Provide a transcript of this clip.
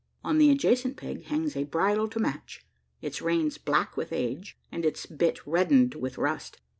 On the adjacent peg hangs a bridle to match its reins black with age, and its bit reddened with rust.